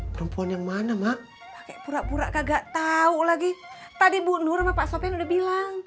perempuan yang mana mak pura pura kagak tahu lagi tadi bunuh rumah pak sopin udah bilang